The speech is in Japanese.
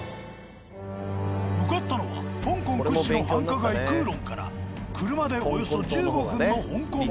向かったのは香港屈指の繁華街九龍から車でおよそ１５分の香港島。